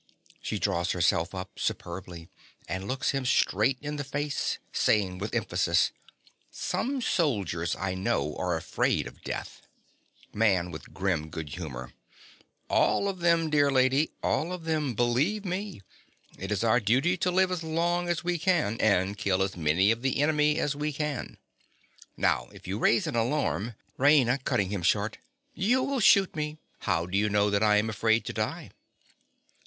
(She draws herself up superbly, and looks him straight in the face, saying with emphasis) Some soldiers, I know, are afraid of death. MAN. (with grim goodhumor). All of them, dear lady, all of them, believe me. It is our duty to live as long as we can, and kill as many of the enemy as we can. Now if you raise an alarm— RAINA. (cutting him short). You will shoot me. How do you know that I am afraid to die?